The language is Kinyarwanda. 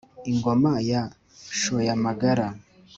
i ngoma ya nshoyamagana.